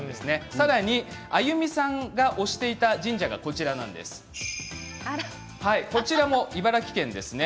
さらに亜由美さんが推していた神社が茨城県ですね。